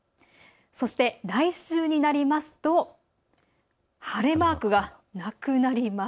そして来週になりますと晴れマークがなくなります。